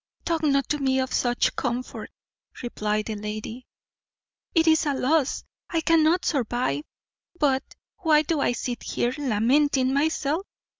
"Talk not to me of such comfort," replied the lady; "it is a loss I cannot survive. But why do I sit here lamenting myself?